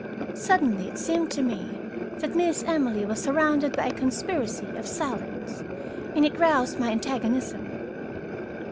Suddenly it seemed to me that Miss Emily was surrounded by a conspiracy of silence, and it roused my antagonism.